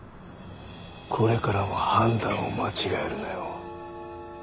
これからも判断を間違えるなよ。